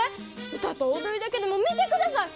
歌と踊りだけでも見てください！